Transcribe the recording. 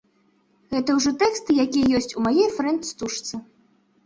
Гэта ўжо тэксты, якія ёсць у маёй фрэнд-стужцы.